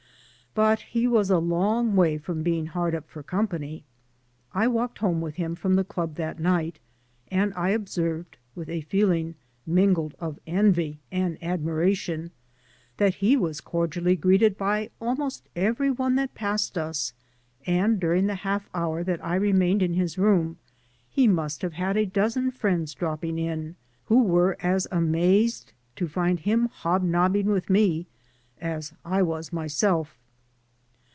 But he was a long way from being hard up for company. I walked home with him from the club that night, and I observed, with a feeling mingled of envy and admi ration, that he was cordially greeted by almost every one that passed us, and during the half hour that I remained in his room he must have had a dozen friends dropping in, who were as amazed to find him hob nobbing with me as I was myself.